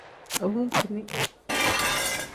Abunkuni.